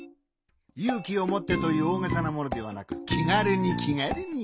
「ゆうきをもって！」というおおげさなものではなくきがるにきがるに。